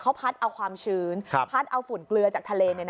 เขาพัดเอาความชื้นพัดเอาฝุ่นเกลือจากทะเล